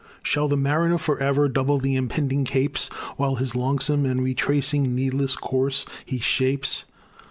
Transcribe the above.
Shall the mariner forever Double the impending capes, While his longsome and retracing Needless course he shapes?